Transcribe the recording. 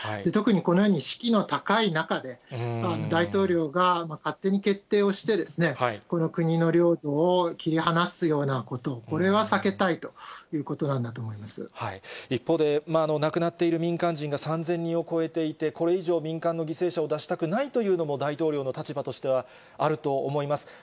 特にこのように士気の高い中で、大統領が勝手に決定をして、この国の領土を切り離すようなこと、これは避けたいということな一方で、亡くなっている民間人が３０００人を超えていて、これ以上、民間の犠牲者を出したくないというのも、大統領の立場としてはあると思います。